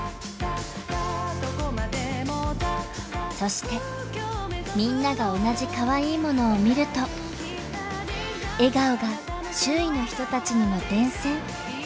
そしてみんなが同じかわいいものを見ると笑顔が周囲の人たちにも伝染。